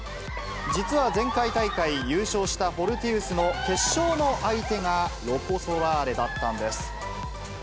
実は前回大会、優勝したフォルティウスの決勝の相手が、ロコ・ソラーレだったんです。